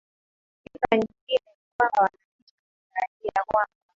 sifa nyingine ni kwamba wananchi wanatarajia kwamba